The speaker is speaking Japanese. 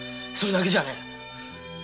それだけじゃねえ！